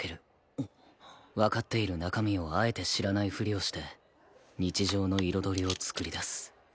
わかっている中身をあえて知らないふりをして日常の彩りを作り出す